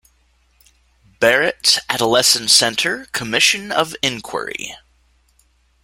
Barrett Adolescent Centre Commission of Inquiry.